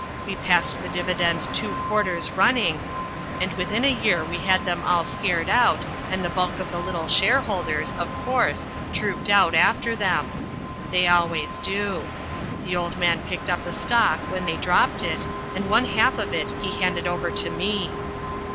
We passed the dividend two quarters running, and within a year we had them all scared out and the bulk of the little shareholders, of course, trooped out after them. They always do. The old man picked up the stock when they dropped it, and one half of it he handed over to me.